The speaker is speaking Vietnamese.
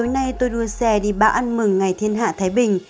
hôm nay tôi đưa xe đi bão ăn mừng ngày thiên hạ thái bình